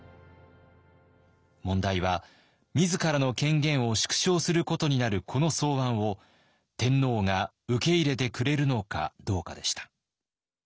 問題は自らの権限を縮小することになるこの草案を天皇が受け入れてくれるのかどうかでした。